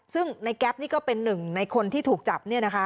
ซึ่งในแก๊ปนี่ก็เป็นหนึ่งในคนที่ถูกจับ